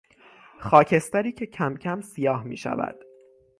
خاکستری که کم کم سیاه میشود